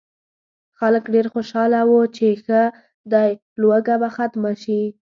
خلک ډېر خوشاله وو چې ښه دی لوږه به ختمه شي.